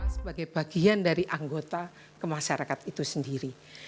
sebagai bagian dari anggota kemasyarakat itu sendiri